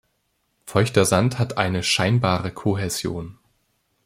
Feuchter Sand hat eine "scheinbare Kohäsion".